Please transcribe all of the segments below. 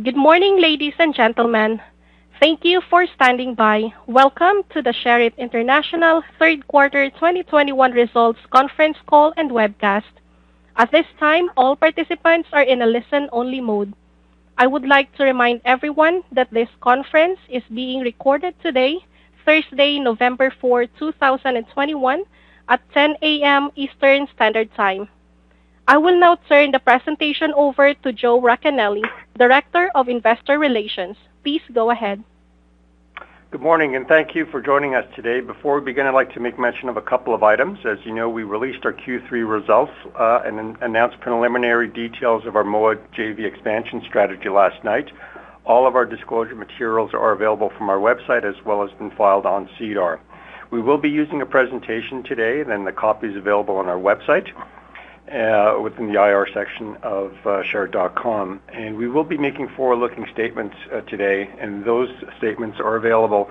Good morning, ladies and gentlemen. Thank you for standing by. Welcome to the Sherritt International third quarter 2021 results conference call and webcast. At this time, all participants are in a listen-only mode. I would like to remind everyone that this conference is being recorded today, Thursday, November 4, 2021 at 10 A.M. Eastern Standard Time. I will now turn the presentation over to Joe Racanelli, Director of Investor Relations. Please go ahead. Good morning, and thank you for joining us today. Before we begin, I'd like to make mention of a couple of items. As you know, we released our Q3 results and announced preliminary details of our Moa JV expansion strategy last night. All of our disclosure materials are available from our website as well as been filed on SEDAR. We will be using a presentation today, and the copy is available on our website within the IR section of sherritt.com. We will be making forward-looking statements today, and those statements are available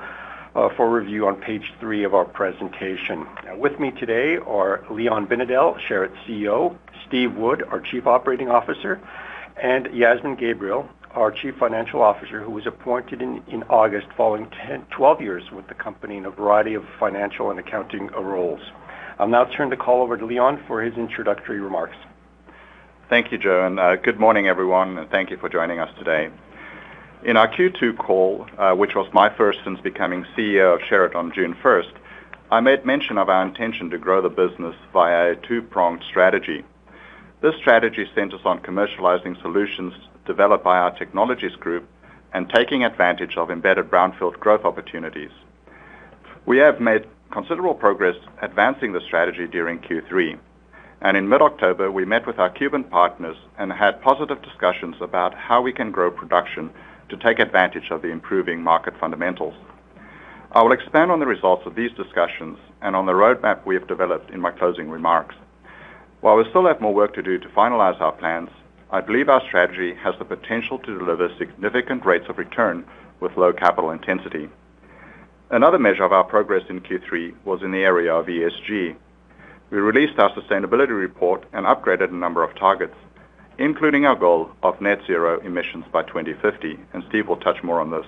for review on page three of our presentation. Now, with me today are Leon Binedell, Sherritt's CEO, Steve Wood, our Chief Operating Officer, and Yasmin Gabriel, our Chief Financial Officer, who was appointed in August following 12 years with the company in a variety of financial and accounting roles. I'll now turn the call over to Leon for his introductory remarks. Thank you, Joe, and good morning, everyone, and thank you for joining us today. In our Q2 call, which was my first since becoming CEO of Sherritt on June 1st, I made mention of our intention to grow the business via a two-pronged strategy. This strategy centers on commercializing solutions developed by our technologies group and taking advantage of embedded brownfield growth opportunities. We have made considerable progress advancing the strategy during Q3. In mid-October, we met with our Cuban partners and had positive discussions about how we can grow production to take advantage of the improving market fundamentals. I will expand on the results of these discussions and on the roadmap we have developed in my closing remarks. While we still have more work to do to finalize our plans, I believe our strategy has the potential to deliver significant rates of return with low capital intensity. Another measure of our progress in Q3 was in the area of ESG. We released our sustainability report and upgraded a number of targets, including our goal of net zero emissions by 2050, and Steve will touch more on this.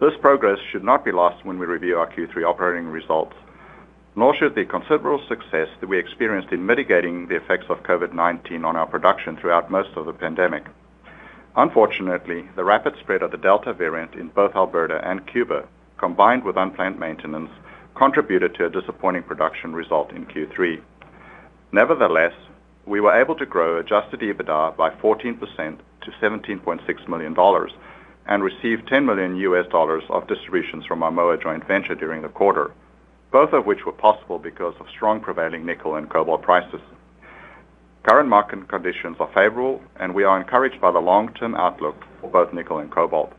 This progress should not be lost when we review our Q3 operating results, nor should the considerable success that we experienced in mitigating the effects of COVID-19 on our production throughout most of the pandemic. Unfortunately, the rapid spread of the Delta variant in both Alberta and Cuba, combined with unplanned maintenance, contributed to a disappointing production result in Q3. Nevertheless, we were able to grow adjusted EBITDA by 14% to 17.6 million dollars and receive $10 million of distributions from our Moa joint venture during the quarter, both of which were possible because of strong prevailing nickel and cobalt prices. Current market conditions are favorable, and we are encouraged by the long-term outlook for both nickel and cobalt.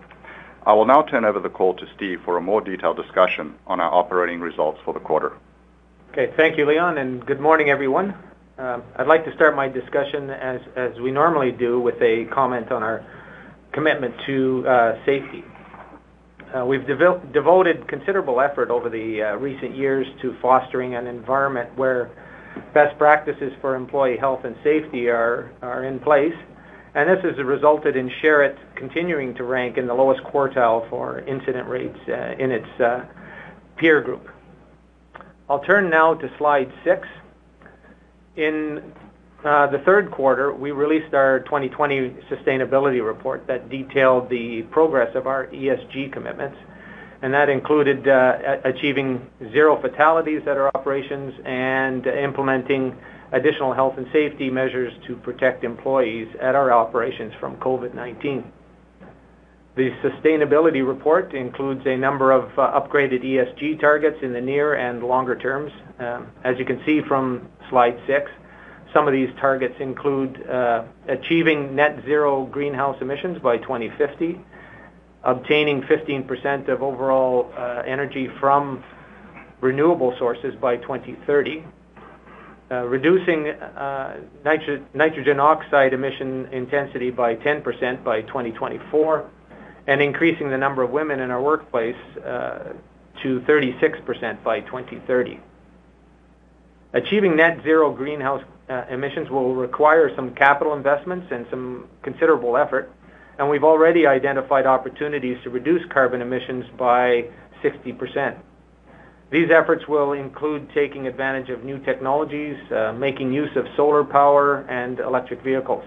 I will now turn over the call to Steve for a more detailed discussion on our operating results for the quarter. Okay. Thank you, Leon, and good morning, everyone. I'd like to start my discussion as we normally do with a comment on our commitment to safety. We've devoted considerable effort over the recent years to fostering an environment where best practices for employee health and safety are in place, and this has resulted in Sherritt continuing to rank in the lowest quartile for incident rates in its peer group. I'll turn now to slide six. In the third quarter, we released our 2020 sustainability report that detailed the progress of our ESG commitments, and that included achieving zero fatalities at our operations and implementing additional health and safety measures to protect employees at our operations from COVID-19. The sustainability report includes a number of upgraded ESG targets in the near and longer terms. As you can see from slide six, some of these targets include achieving net zero greenhouse emissions by 2050, obtaining 15% of overall energy from renewable sources by 2030, reducing nitrogen oxide emission intensity by 10% by 2024, and increasing the number of women in our workplace to 36% by 2030. Achieving net zero greenhouse emissions will require some capital investments and some considerable effort, and we've already identified opportunities to reduce carbon emissions by 60%. These efforts will include taking advantage of new technologies, making use of solar power and electric vehicles,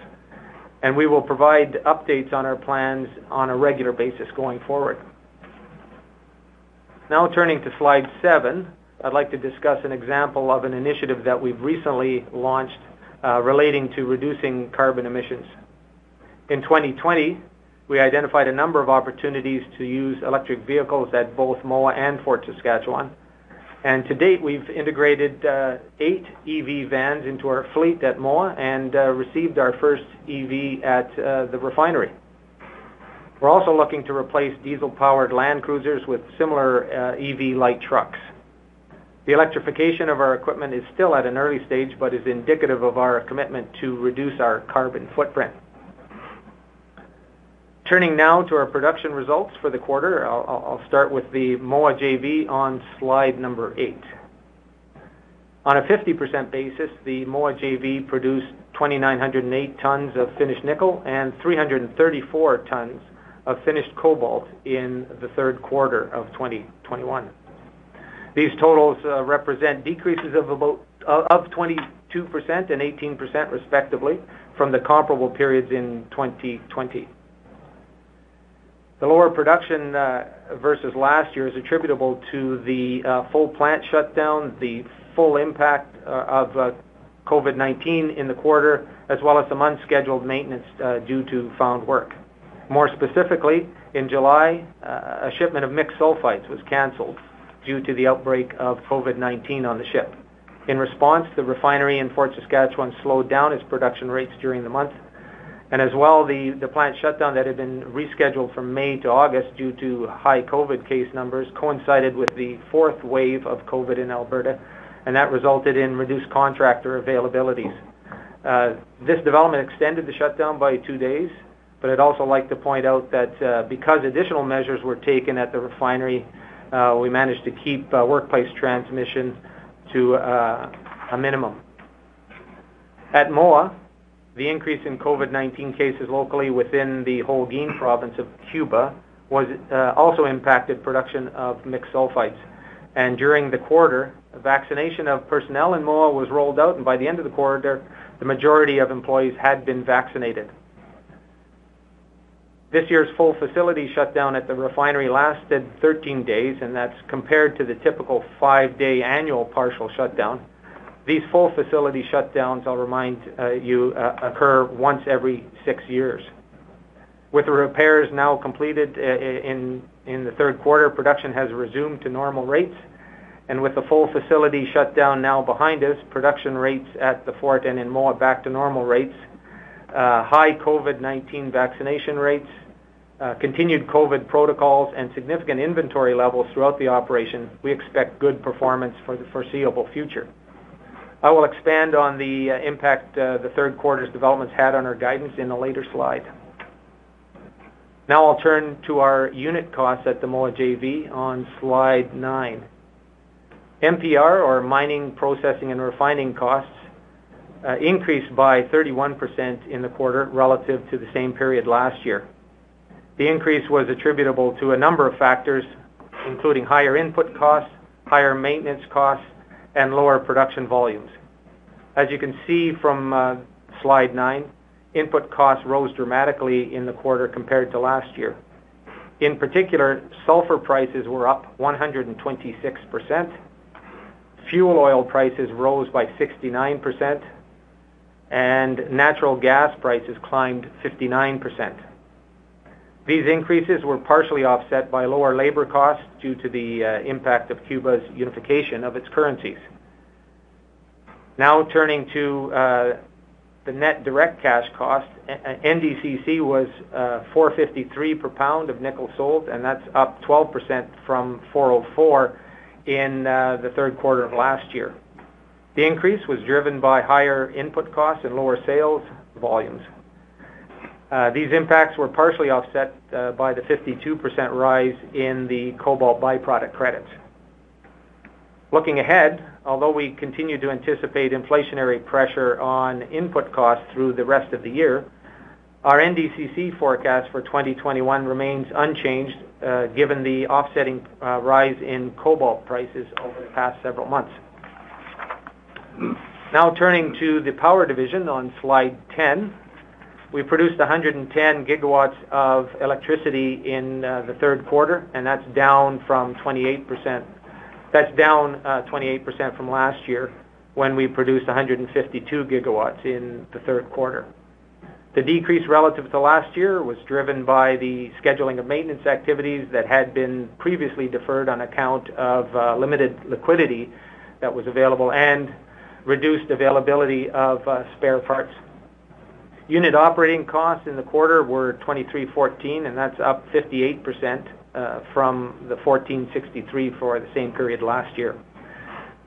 and we will provide updates on our plans on a regular basis going forward. Now turning to slide seven, I'd like to discuss an example of an initiative that we've recently launched relating to reducing carbon emissions. In 2020, we identified a number of opportunities to use electric vehicles at both Moa and Fort Saskatchewan. To date, we've integrated eight EV vans into our fleet at Moa and received our first EV at the refinery. We're also looking to replace diesel-powered Land Cruisers with similar EV light trucks. The electrification of our equipment is still at an early stage but is indicative of our commitment to reduce our carbon footprint. Turning now to our production results for the quarter, I'll start with the Moa JV on slide eight. On a 50% basis, the Moa JV produced 2,908 tons of finished nickel and 334 tons of finished cobalt in the third quarter of 2021. These totals represent decreases of about 22% and 18% respectively from the comparable periods in 2020. The lower production versus last year is attributable to the full plant shutdown, the full impact of COVID-19 in the quarter, as well as some unscheduled maintenance due to found work. More specifically, in July a shipment of mixed sulfides was canceled due to the outbreak of COVID-19 on the ship. In response, the refinery in Fort Saskatchewan slowed down its production rates during the month, and as well, the plant shutdown that had been rescheduled from May to August due to high COVID case numbers coincided with the fourth wave of COVID in Alberta, and that resulted in reduced contractor availabilities. This development extended the shutdown by two days, but I'd also like to point out that, because additional measures were taken at the refinery, we managed to keep workplace transmissions to a minimum. At Moa, the increase in COVID-19 cases locally within the Holguín province of Cuba also impacted production of mixed sulfides. During the quarter, vaccination of personnel in Moa was rolled out, and by the end of the quarter, the majority of employees had been vaccinated. This year's full facility shutdown at the refinery lasted 13 days, and that's compared to the typical five-day annual partial shutdown. These full facility shutdowns, I'll remind you, occur once every six years. With the repairs now completed in the third quarter, production has resumed to normal rates. With the full facility shutdown now behind us, production rates at the Fort and in Moa back to normal rates, high COVID-19 vaccination rates, continued COVID protocols, and significant inventory levels throughout the operation, we expect good performance for the foreseeable future. I will expand on the impact the third quarter's developments had on our guidance in a later slide. Now I'll turn to our unit costs at the Moa JV on slide nine. MPR or mining, processing, and refining costs increased by 31% in the quarter relative to the same period last year. The increase was attributable to a number of factors, including higher input costs, higher maintenance costs, and lower production volumes. As you can see from slide nine, input costs rose dramatically in the quarter compared to last year. In particular, sulfur prices were up 126%, fuel oil prices rose by 69%, and natural gas prices climbed 59%. These increases were partially offset by lower labor costs due to the impact of Cuba's unification of its currencies. Now turning to the net direct cash cost, NDCC was $453 per pound of nickel sold, and that's up 12% from $404 in the third quarter of last year. The increase was driven by higher input costs and lower sales volumes. These impacts were partially offset by the 52% rise in the cobalt byproduct credits. Looking ahead, although we continue to anticipate inflationary pressure on input costs through the rest of the year, our NDCC forecast for 2021 remains unchanged, given the offsetting rise in cobalt prices over the past several months. Now turning to the power division on slide 10. We produced 110 GW of electricity in the third quarter, and that's down 28% from last year when we produced 152 GW in the third quarter. The decrease relative to last year was driven by the scheduling of maintenance activities that had been previously deferred on account of limited liquidity that was available and reduced availability of spare parts. Unit operating costs in the quarter were 2,314, and that's up 58% from the 1,463 for the same period last year.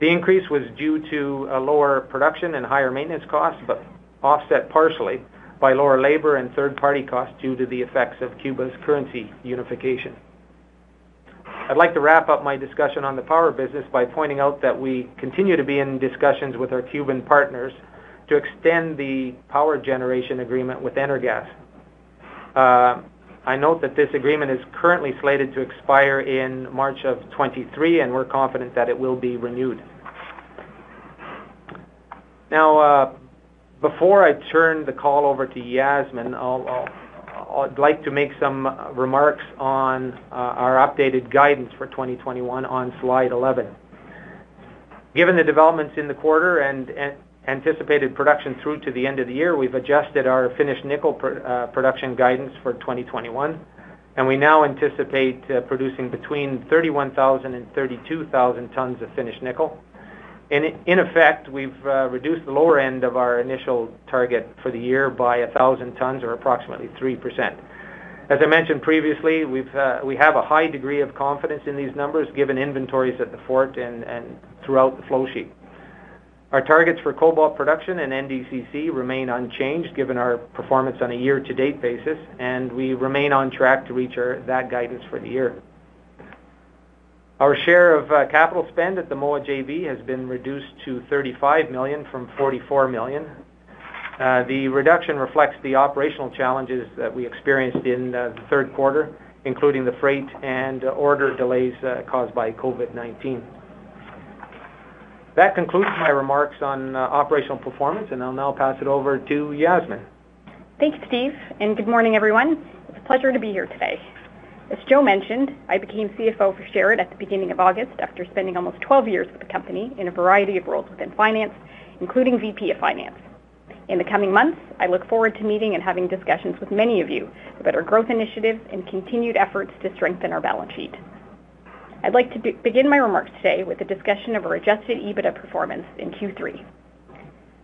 The increase was due to a lower production and higher maintenance costs, but offset partially by lower labor and third-party costs due to the effects of Cuba's currency unification. I'd like to wrap up my discussion on the power business by pointing out that we continue to be in discussions with our Cuban partners to extend the power generation agreement with Energas. I note that this agreement is currently slated to expire in March 2023, and we're confident that it will be renewed. Before I turn the call over to Yasmin, I'll, I'd like to make some remarks on our updated guidance for 2021 on slide 11. Given the developments in the quarter and anticipated production through to the end of the year, we've adjusted our finished nickel production guidance for 2021, and we now anticipate producing between 31,000 tons and 32,000 tons of finished nickel. In effect, we've reduced the lower end of our initial target for the year by 1,000 tons or approximately 3%. As I mentioned previously, we have a high degree of confidence in these numbers given inventories at the Fort and throughout the flow sheet. Our targets for cobalt production and NDCC remain unchanged given our performance on a year-to-date basis, and we remain on track to reach that guidance for the year. Our share of capital spend at the Moa JV has been reduced to 35 million from 44 million. The reduction reflects the operational challenges that we experienced in the third quarter, including the freight and order delays caused by COVID-19. That concludes my remarks on operational performance, and I'll now pass it over to Yasmin. Thanks, Steve, and good morning, everyone. It's a pleasure to be here today. As Joe mentioned, I became CFO for Sherritt at the beginning of August after spending almost 12 years with the company in a variety of roles within finance, including VP of Finance. In the coming months, I look forward to meeting and having discussions with many of you about our growth initiatives and continued efforts to strengthen our balance sheet. I'd like to begin my remarks today with a discussion of our adjusted EBITDA performance in Q3.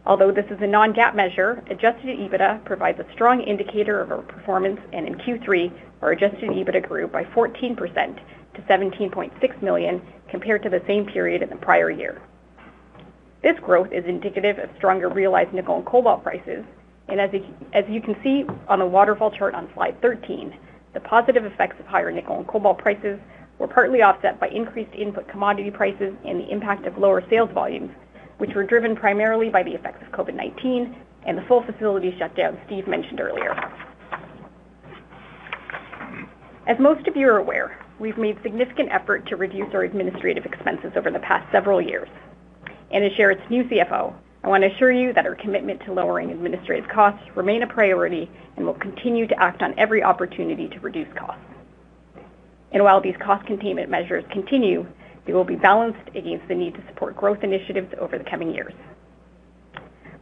Although this is a non-GAAP measure, adjusted EBITDA provides a strong indicator of our performance, and in Q3, our adjusted EBITDA grew by 14% to 17.6 million compared to the same period in the prior year. This growth is indicative of stronger realized nickel and cobalt prices, and as you can see on the waterfall chart on slide 13, the positive effects of higher nickel and cobalt prices were partly offset by increased input commodity prices and the impact of lower sales volumes, which were driven primarily by the effects of COVID-19 and the full facility shutdown Steve mentioned earlier. As most of you are aware, we've made significant effort to reduce our administrative expenses over the past several years. As Sherritt's new CFO, I want to assure you that our commitment to lowering administrative costs remain a priority, and we'll continue to act on every opportunity to reduce costs. While these cost containment measures continue, they will be balanced against the need to support growth initiatives over the coming years.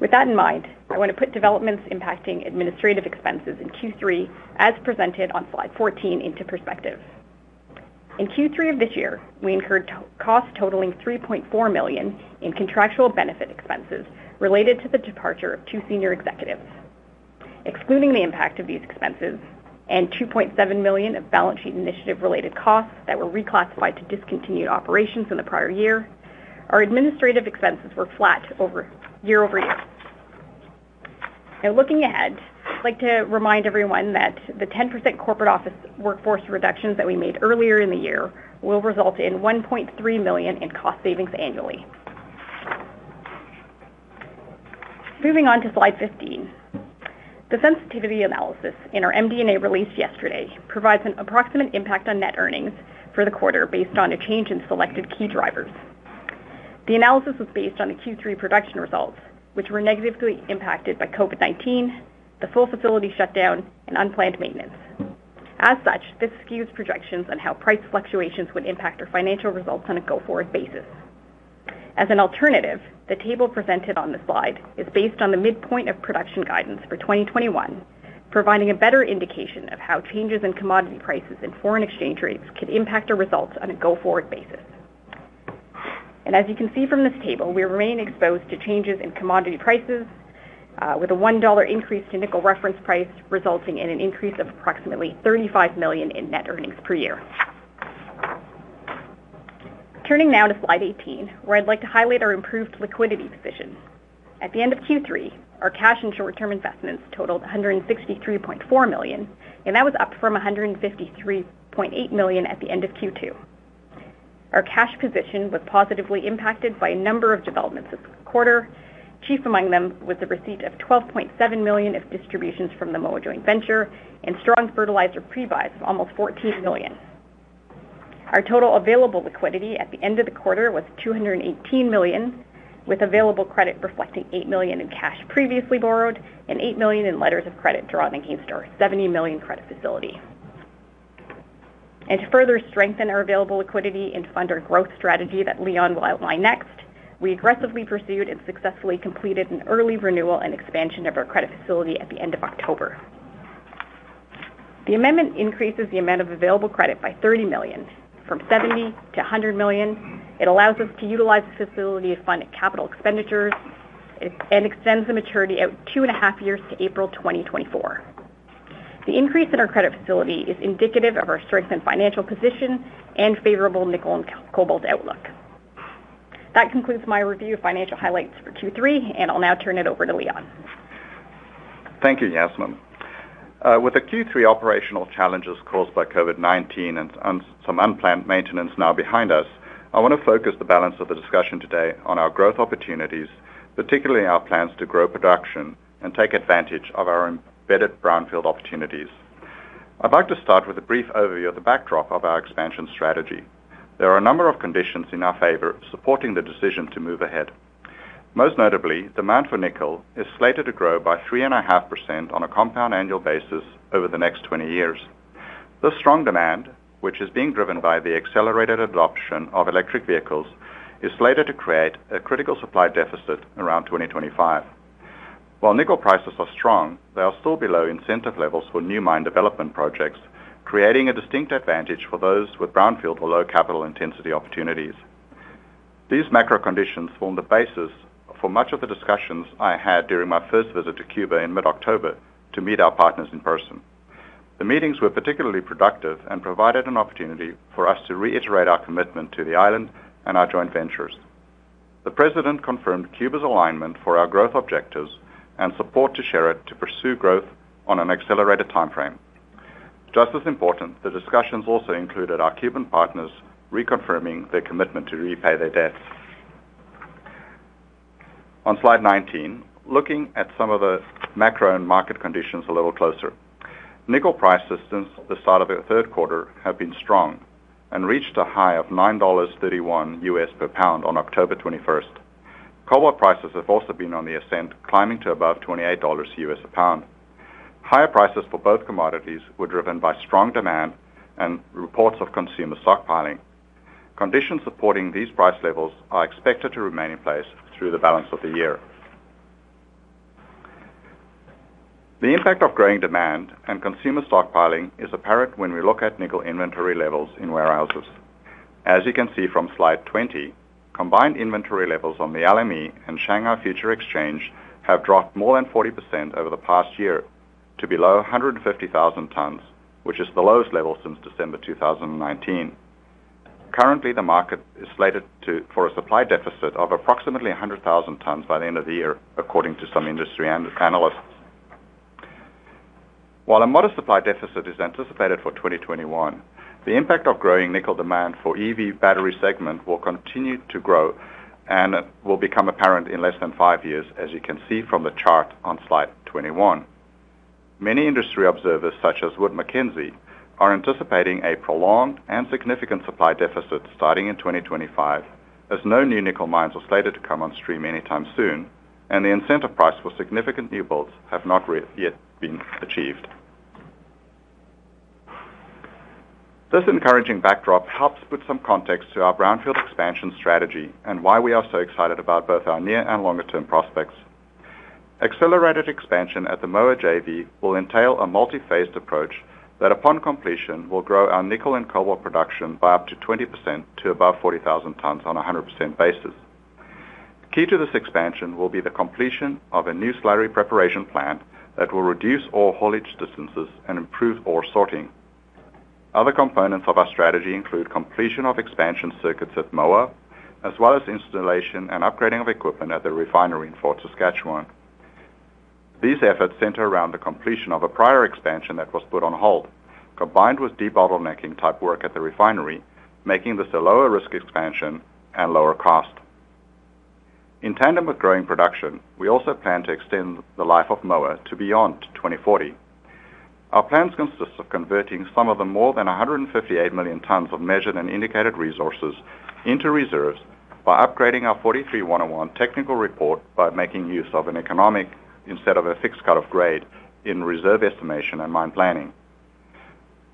With that in mind, I want to put developments impacting administrative expenses in Q3 as presented on slide 14 into perspective. In Q3 of this year, we incurred costs totaling 3.4 million in contractual benefit expenses related to the departure of two senior executives. Excluding the impact of these expenses and 2.7 million of balance sheet initiative related costs that were reclassified to discontinued operations in the prior year, our administrative expenses were flat year-over-year. Now looking ahead, I'd like to remind everyone that the 10% corporate office workforce reductions that we made earlier in the year will result in 1.3 million in cost savings annually. Moving on to slide 15. The sensitivity analysis in our MD&A release yesterday provides an approximate impact on net earnings for the quarter based on a change in selected key drivers. The analysis was based on the Q3 production results, which were negatively impacted by COVID-19, the full facility shutdown, and unplanned maintenance. As such, this skews projections on how price fluctuations would impact our financial results on a go-forward basis. As an alternative, the table presented on the slide is based on the midpoint of production guidance for 2021, providing a better indication of how changes in commodity prices and foreign exchange rates could impact our results on a go-forward basis. As you can see from this table, we remain exposed to changes in commodity prices, with a $1 increase to nickel reference price resulting in an increase of approximately 35 million in net earnings per year. Turning now to slide 18, where I'd like to highlight our improved liquidity position. At the end of Q3, our cash and short-term investments totaled 163.4 million, and that was up from 153.8 million at the end of Q2. Our cash position was positively impacted by a number of developments this quarter. Chief among them was the receipt of 12.7 million of distributions from the Moa Joint Venture and strong fertilizer pre-buys of almost 14 million. Our total available liquidity at the end of the quarter was 218 million, with available credit reflecting 8 million in cash previously borrowed and 8 million in letters of credit drawn against our 70 million credit facility. To further strengthen our available liquidity and fund our growth strategy that Leon will outline next, we aggressively pursued and successfully completed an early renewal and expansion of our credit facility at the end of October. The amendment increases the amount of available credit by 30 million from 70 million to 100 million. It allows us to utilize the facility to fund capital expenditures and extends the maturity out two and a half years to April 2024. The increase in our credit facility is indicative of our strength and financial position and favorable nickel and cobalt outlook. That concludes my review of financial highlights for Q3, and I'll now turn it over to Leon. Thank you, Yasmin. With the Q3 operational challenges caused by COVID-19 and some unplanned maintenance now behind us, I wanna focus the balance of the discussion today on our growth opportunities, particularly our plans to grow production and take advantage of our embedded brownfield opportunities. I'd like to start with a brief overview of the backdrop of our expansion strategy. There are a number of conditions in our favor supporting the decision to move ahead. Most notably, demand for nickel is slated to grow by 3.5% on a compound annual basis over the next 20 years. This strong demand, which is being driven by the accelerated adoption of electric vehicles, is slated to create a critical supply deficit around 2025. While nickel prices are strong, they are still below incentive levels for new mine development projects, creating a distinct advantage for those with brownfield or low capital intensity opportunities. These macro conditions form the basis for much of the discussions I had during my first visit to Cuba in mid-October to meet our partners in person. The meetings were particularly productive and provided an opportunity for us to reiterate our commitment to the island and our joint ventures. The President confirmed Cuba's alignment for our growth objectives and support to Sherritt to pursue growth on an accelerated timeframe. Just as important, the discussions also included our Cuban partners reconfirming their commitment to repay their debts. On slide 19, looking at some of the macro and market conditions a little closer. Nickel prices at the start of the third quarter have been strong and reached a high of $9.31 per pound on October 21. Cobalt prices have also been on the ascent, climbing to above $28 a pound. Higher prices for both commodities were driven by strong demand and reports of consumer stockpiling. Conditions supporting these price levels are expected to remain in place through the balance of the year. The impact of growing demand and consumer stockpiling is apparent when we look at nickel inventory levels in warehouses. As you can see from slide 20, combined inventory levels on the LME and Shanghai Futures Exchange have dropped more than 40% over the past year to below 150,000 tons, which is the lowest level since December 2019. Currently, the market is slated for a supply deficit of approximately 100,000 tons by the end of the year, according to some industry analysts. While a modest supply deficit is anticipated for 2021, the impact of growing nickel demand for EV battery segment will continue to grow and will become apparent in less than five years, as you can see from the chart on slide 21. Many industry observers, such as Wood Mackenzie, are anticipating a prolonged and significant supply deficit starting in 2025, as no new nickel mines are slated to come on stream anytime soon, and the incentive price for significant new builds have not yet been achieved. This encouraging backdrop helps put some context to our brownfield expansion strategy and why we are so excited about both our near and longer-term prospects. Accelerated expansion at the Moa JV will entail a multi-phased approach that, upon completion, will grow our nickel and cobalt production by up to 20% to above 40,000 tons on a 100% basis. Key to this expansion will be the completion of a new slurry preparation plant that will reduce ore haulage distances and improve ore sorting. Other components of our strategy include completion of expansion circuits at Moa, as well as installation and upgrading of equipment at the refinery in Fort Saskatchewan. These efforts center around the completion of a prior expansion that was put on hold, combined with debottlenecking type work at the refinery, making this a lower risk expansion and lower cost. In tandem with growing production, we also plan to extend the life of Moa to beyond 2040. Our plans consist of converting some of the more than 158 million tons of measured and indicated resources into reserves by upgrading our NI 43-101 technical report by making use of an economic instead of a fixed cut-off grade in reserve estimation and mine planning.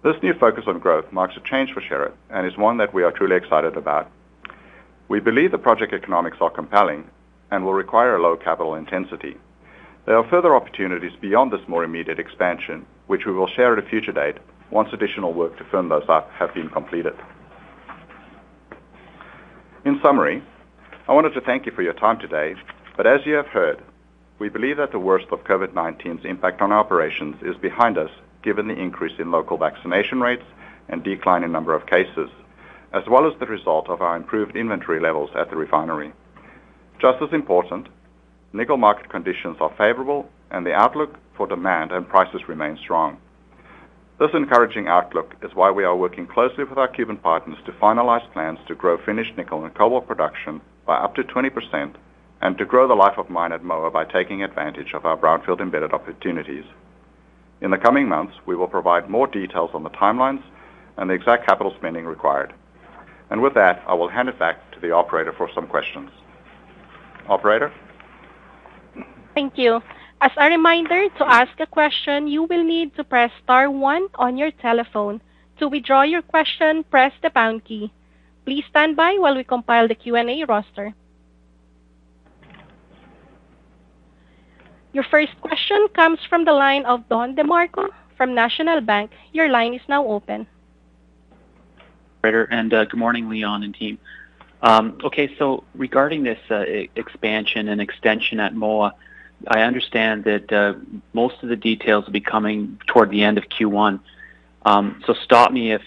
This new focus on growth marks a change for Sherritt and is one that we are truly excited about. We believe the project economics are compelling and will require a low capital intensity. There are further opportunities beyond this more immediate expansion, which we will share at a future date once additional work to firm those up has been completed. In summary, I wanted to thank you for your time today, but as you have heard, we believe that the worst of COVID-19's impact on our operations is behind us, given the increase in local vaccination rates and decline in number of cases, as well as the result of our improved inventory levels at the refinery. Just as important, nickel market conditions are favorable, and the outlook for demand and prices remain strong. This encouraging outlook is why we are working closely with our Cuban partners to finalize plans to grow finished nickel and cobalt production by up to 20% and to grow the life of mine at Moa by taking advantage of our brownfield embedded opportunities. In the coming months, we will provide more details on the timelines and the exact capital spending required. With that, I will hand it back to the operator for some questions. Operator? Thank you. As a reminder, to ask a question, you will need to press star one on your telephone. To withdraw your question, press the pound key. Please stand by while we compile the Q&A roster. Your first question comes from the line of Don DeMarco from National Bank. Your line is now open. Good morning, Leon and team. Okay, regarding this expansion and extension at Moa, I understand that most of the details will be coming toward the end of Q1. Stop me if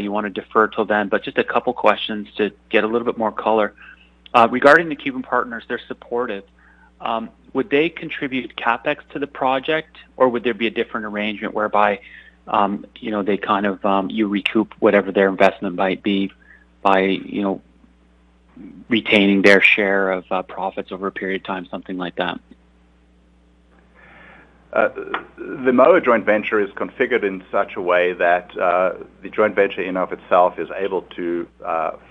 you wanna defer till then, but just a couple questions to get a little bit more color. Regarding the Cuban partners, they're supportive. Would they contribute CapEx to the project, or would there be a different arrangement whereby you know, they kind of you recoup whatever their investment might be by you know, retaining their share of profits over a period of time, something like that? The Moa joint venture is configured in such a way that the joint venture in and of itself is able to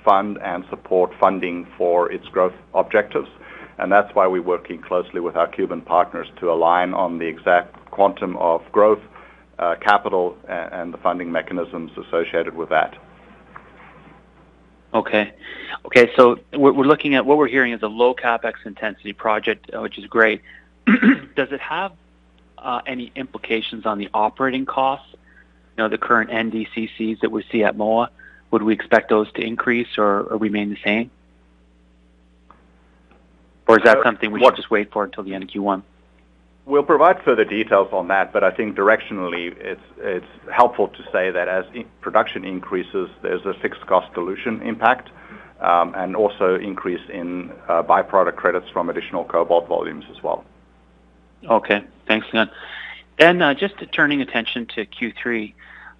fund and support funding for its growth objectives. That's why we're working closely with our Cuban partners to align on the exact quantum of growth capital and the funding mechanisms associated with that. What we're hearing is a low CapEx intensity project, which is great. Does it have any implications on the operating costs? You know, the current NDCCs that we see at Moa, would we expect those to increase or remain the same? Is that something we should just wait for until the end of Q1? We'll provide further details on that, but I think directionally, it's helpful to say that as production increases, there's a fixed cost dilution impact, and also increase in, byproduct credits from additional cobalt volumes as well. Okay. Thanks, Leon. Just turning attention to Q3,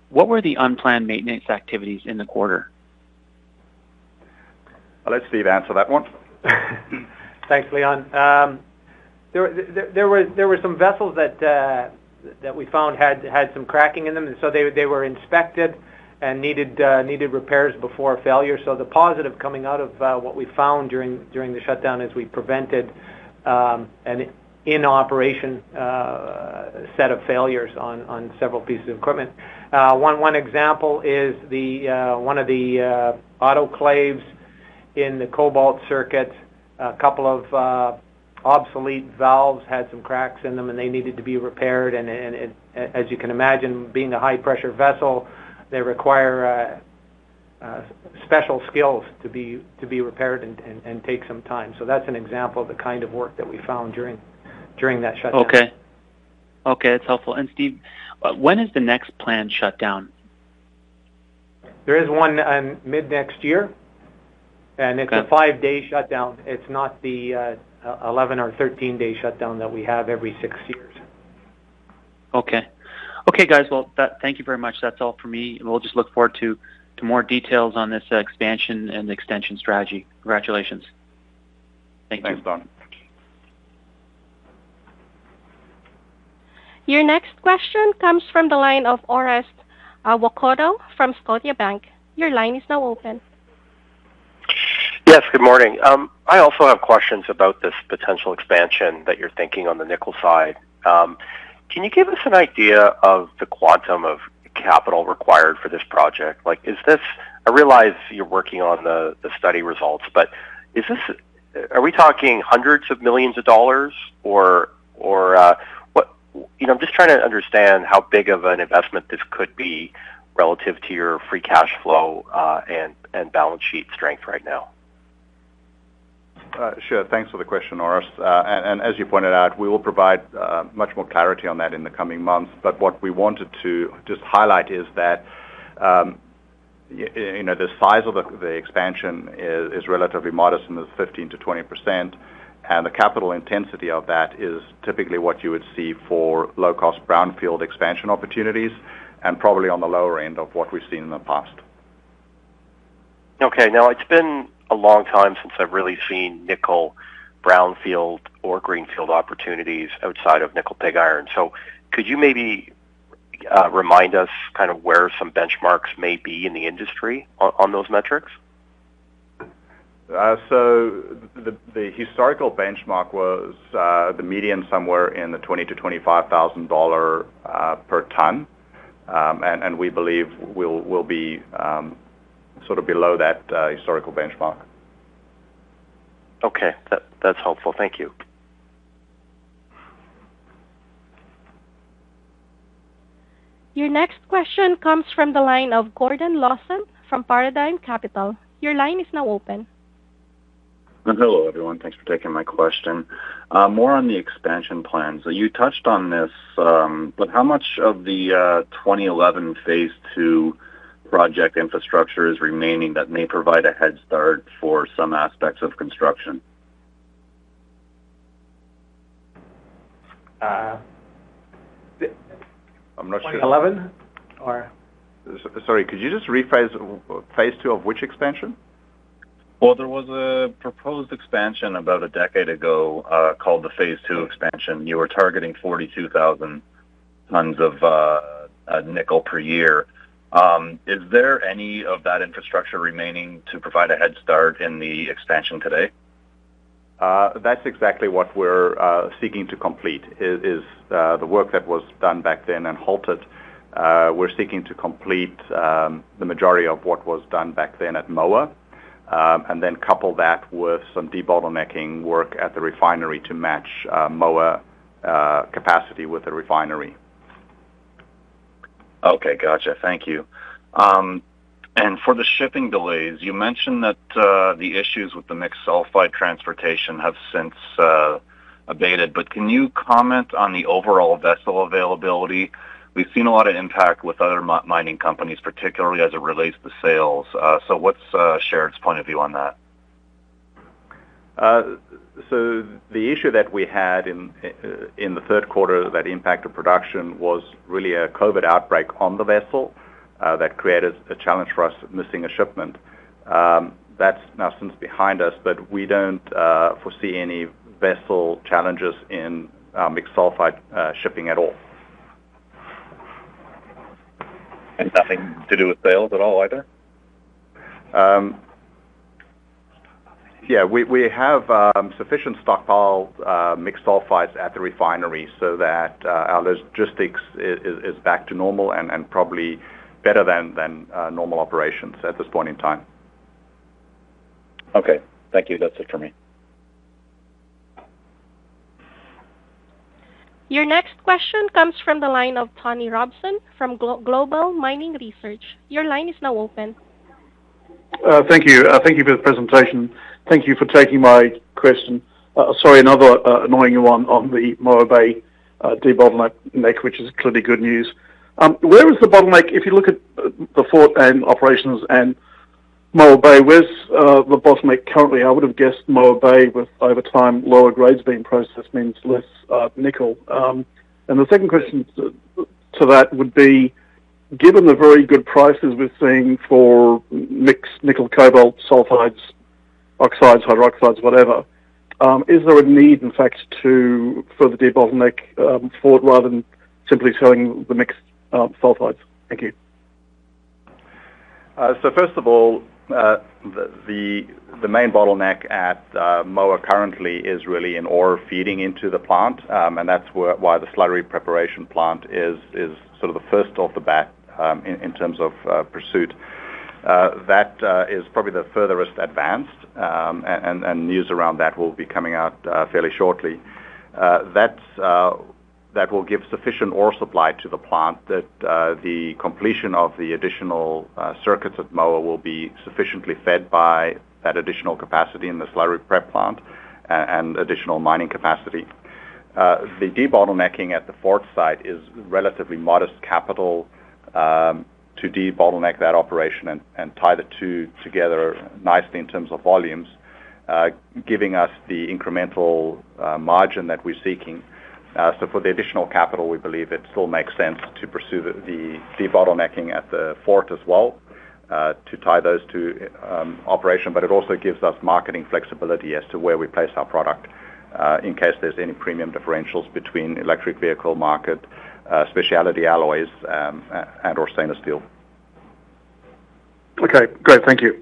what were the unplanned maintenance activities in the quarter? I'll let Steve answer that one. Thanks, Leon. There were some vessels that we found had some cracking in them, and so they were inspected and needed repairs before failure. The positive coming out of what we found during the shutdown is we prevented an in-operation set of failures on several pieces of equipment. One example is one of the autoclaves in the cobalt circuit. A couple of obsolete valves had some cracks in them, and they needed to be repaired. As you can imagine, being a high pressure vessel, they require special skills to be repaired and take some time. That's an example of the kind of work that we found during that shutdown. Okay. Okay, that's helpful. Steve, when is the next planned shutdown? There is one on mid-next year, and it's a five-day shutdown. It's not the 11 or 13-day shutdown that we have every six years. Okay. Okay, guys. Well, thank you very much. That's all for me. We'll just look forward to more details on this expansion and extension strategy. Congratulations. Thanks, Don. Your next question comes from the line of Orest Wowkodaw from Scotiabank. Your line is now open. Yes, good morning. I also have questions about this potential expansion that you're thinking on the nickel side. Can you give us an idea of the quantum of capital required for this project? Like, I realize you're working on the study results, but are we talking hundreds of millions of dollars or what? You know, I'm just trying to understand how big of an investment this could be relative to your free cash flow and balance sheet strength right now. Sure. Thanks for the question, Orest. As you pointed out, we will provide much more clarity on that in the coming months. What we wanted to just highlight is that, you know, the size of the expansion is relatively modest and is 15%-20%, and the capital intensity of that is typically what you would see for low-cost brownfield expansion opportunities and probably on the lower end of what we've seen in the past. Okay. Now, it's been a long time since I've really seen nickel brownfield or greenfield opportunities outside of nickel pig iron. Could you maybe remind us kind of where some benchmarks may be in the industry on those metrics? The historical benchmark was the median somewhere in the $20,000-$25,000 per ton. We believe we'll be sort of below that historical benchmark. Okay. That, that's helpful. Thank you. Your next question comes from the line of Gordon Lawson from Paradigm Capital. Your line is now open. Hello, everyone. Thanks for taking my question. More on the expansion plans. You touched on this, but how much of the 2011 phase II project infrastructure is remaining that may provide a head start for some aspects of construction? Uh. I'm not sure. 2011? Sorry, could you just rephrase? Phase II of which expansion? Well, there was a proposed expansion about a decade ago, called the phase II expansion. You were targeting 42,000 tons of nickel per year. Is there any of that infrastructure remaining to provide a head start in the expansion today? That's exactly what we're seeking to complete is the work that was done back then and halted. We're seeking to complete the majority of what was done back then at Moa, and then couple that with some de-bottlenecking work at the refinery to match Moa capacity with the refinery. Okay. Gotcha. Thank you. For the shipping delays, you mentioned that the issues with the mixed sulfide transportation have since abated, but can you comment on the overall vessel availability? We've seen a lot of impact with other mining companies, particularly as it relates to sales. What's Sherritt's point of view on that? The issue that we had in the third quarter that impacted production was really a COVID outbreak on the vessel that created a challenge for us, missing a shipment. That's now since behind us, but we don't foresee any vessel challenges in mixed sulfide shipping at all. Nothing to do with sales at all either? Um. Yeah. We have sufficient stockpiled mixed sulphides at the refinery so that our logistics is back to normal and probably better than normal operations at this point in time. Okay. Thank you. That's it for me. Your next question comes from the line of Tony Robson from Global Mining Research. Your line is now open. Thank you for the presentation. Thank you for taking my question. Sorry, another annoying one on the Moa de-bottleneck, which is clearly good news. Where is the bottleneck? If you look at the Fort Site operations and Moa, where's the bottleneck currently? I would have guessed Moa with over time, lower grades being processed means less nickel. The second question to that would be, given the very good prices we're seeing for mixed nickel cobalt sulfides, oxides, hydroxides, whatever, is there a need, in fact, to further de-bottleneck Fort rather than simply selling the mixed sulfides? Thank you. First of all, the main bottleneck at Moa currently is really in ore feeding into the plant. That's why the slurry preparation plant is sort of the first off the bat in terms of pursuit. That is probably the furthest advanced, and news around that will be coming out fairly shortly. That will give sufficient ore supply to the plant that the completion of the additional circuits at Moa will be sufficiently fed by that additional capacity in the slurry prep plant and additional mining capacity. The debottlenecking at the Fort Site is relatively modest capital to de-bottleneck that operation and tie the two together nicely in terms of volumes, giving us the incremental margin that we're seeking. For the additional capital, we believe it still makes sense to pursue the de-bottlenecking at the Fort as well, to tie those two in operation. It also gives us marketing flexibility as to where we place our product, in case there's any premium differentials between electric vehicle market, specialty alloys, and/or stainless steel. Okay, great. Thank you.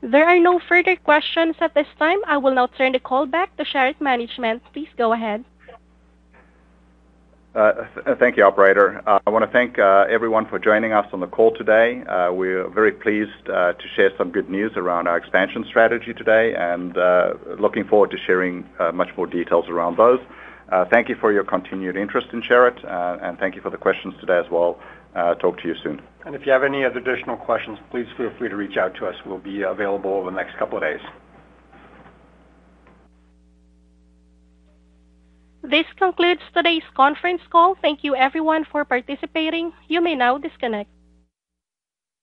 There are no further questions at this time. I will now turn the call back to Sherritt management. Please go ahead. Thank you, operator. I wanna thank everyone for joining us on the call today. We're very pleased to share some good news around our expansion strategy today, and looking forward to sharing much more details around both. Thank you for your continued interest in Sherritt, and thank you for the questions today as well. Talk to you soon. If you have any other additional questions, please feel free to reach out to us. We'll be available over the next couple of days. This concludes today's conference call. Thank you everyone for participating. You may now disconnect.